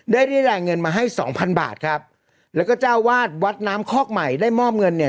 เรียรายเงินมาให้สองพันบาทครับแล้วก็เจ้าวาดวัดน้ำคอกใหม่ได้มอบเงินเนี่ย